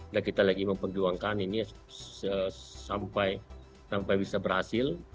dan kita lagi memperjuangkan ini sampai bisa berhasil